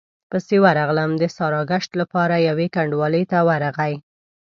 پسې ورغلم، د ساراګشت له پاره يوې کنډوالې ته ورغی،